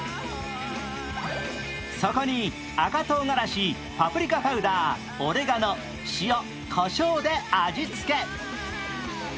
そこに、赤とうがらし、パプリカパウダー、オレガノ塩こしょうで味付け。